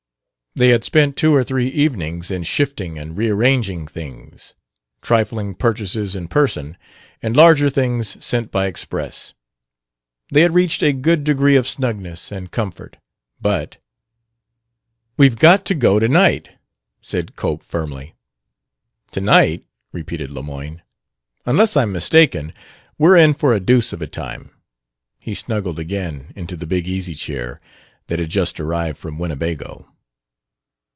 They had spent two or three evenings in shifting and rearranging things trifling purchases in person and larger things sent by express. They had reached a good degree of snugness and comfort; but "We've got to go tonight!" said Cope firmly. "Tonight?" repeated Lemoyne. "Unless I'm mistaken, we're in for a deuce of a time." He snuggled again into the big easy chair that had just arrived from Winnebago.